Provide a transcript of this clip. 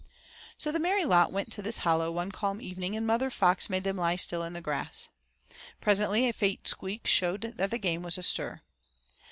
So the merry lot went to this hollow one calm evening and Mother Fox made them lie still in the grass. Presently a faint squeak showed that the game was astir.